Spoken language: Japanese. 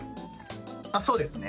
そうですね。